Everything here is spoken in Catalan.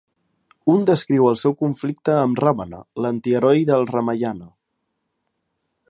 Un descriu el seu conflicte amb Ràvana, l'antiheroi del Ramayana.